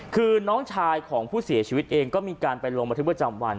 คือน้องชายของผู้เสียชีวิตเองก็มีการไปลงบันทึกประจำวัน